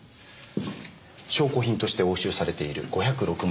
証拠品として押収されている５０６万円。